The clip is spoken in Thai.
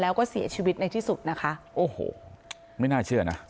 แล้วก็เสียชีวิตในที่สุดนะคะโอ้โหไม่น่าเชื่อนะ